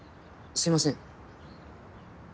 すいません。